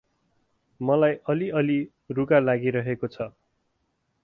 मलाई अलि अलि रुघा लागिरहेको छ ।